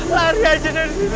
lari aja dari sini